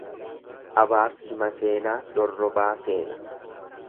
Abaarsi maseenaa dorrobaa seena.